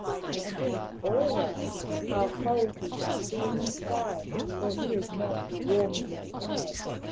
I think always how cold he must be in the sky, for he is not warmly clad."